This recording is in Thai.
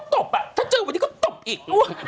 ตบอ่ะถ้าเจอวันนี้ก็ตบอีก